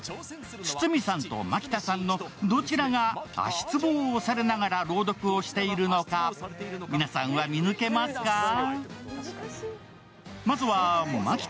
堤さんと蒔田さんのどちらが足つぼを押されながら朗読をしているのか、皆さんは見抜けますか？